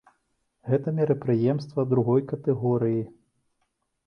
Гэтае мерапрыемства другой катэгорыі.